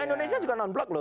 indonesia juga non blok loh